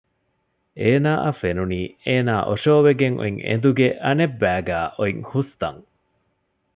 އޭނާއަށް ފެނުނީ އޭނާ އޮށޯވެގެން އޮތް އެނދުގެ އަނެއްބައިގައި އޮތް ހުސްތަން